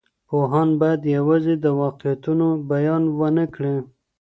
پوهان بايد يوازې د واقعيتونو بيان ونه کړي.